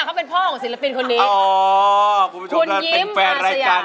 เขาเป็นพ่อของศิลปินคนนี้อ๋อคุณผู้ชมทำแวตรายใจยาม